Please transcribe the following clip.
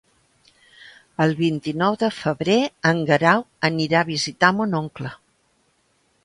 El vint-i-nou de febrer en Guerau anirà a visitar mon oncle.